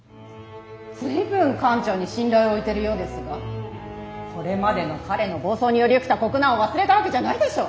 随分艦長に信頼を置いてるようですがこれまでの彼の暴走により起きた国難を忘れたわけじゃないでしょう。